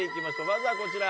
まずはこちら！